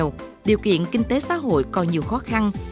và có nhiều điều kiện kinh tế xã hội còn nhiều khó khăn